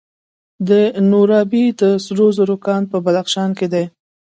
د نورابې د سرو زرو کان په بدخشان کې دی.